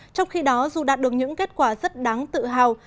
trong khi đó dù đạt được những kết quả rất đáng tự hào